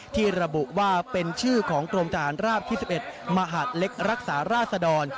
ที่ระบุว่าเป็นชื่อของกรมทหารราบที่๑๑มหาดเล็กรักษาราษดร